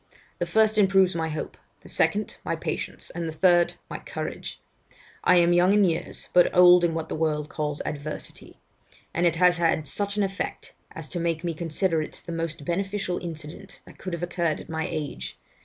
The first improves my hopes; the second, my patience; and the third, my courage. I am young in years, but old in what the world calls adversity; and it has had such an effect, as to make me consider it the most beneficial incident that could have occurred at my age.